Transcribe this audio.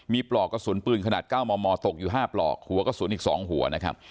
มีปลอกกระสุนปืนขนาด๙มมตกอยู่๕ปลอกหัวกระสุนอีก๒หัวนะครับ